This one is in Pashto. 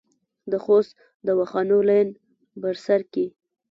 د خوست دواخانو لین بر سر کې